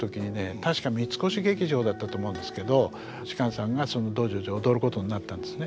確か三越劇場だったと思うんですけど芝さんがその「道成寺」を踊ることになったんですね。